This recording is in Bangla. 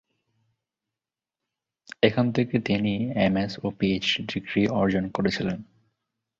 এখান থেকেই তিনি এমএস ও পিএইচডি ডিগ্রী অর্জন করেছিলেন।